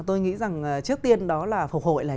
tôi nghĩ rằng trước tiên đó là phục hội